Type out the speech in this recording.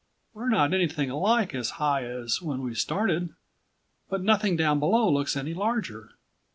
"We're not anything like as high as when we started. But nothing down below looks any larger."